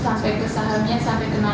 sampai ke sahamnya sampai kena